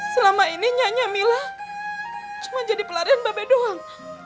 selama ini nyanya mila cuma jadi pelarian babi doang